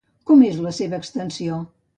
Com és la seva extensió?